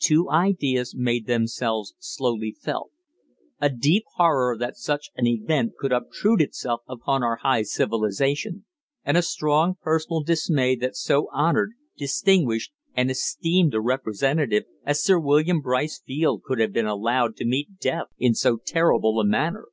Two ideas made themselves slowly felt a deep horror that such an event could obtrude itself upon our high civilization, and a strong personal dismay that so honored, distinguished, and esteemed a representative as Sir William Brice Field could have been allowed to meet death in so terrible a manner.